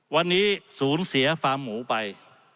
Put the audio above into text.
วันนี้ศูนย์เสียฟาร์มหมูไป